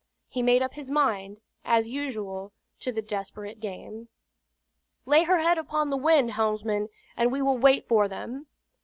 He made up his mind, as usual, to the desperate game. "Lay her head upon the wind, helmsman, and we will wait for them."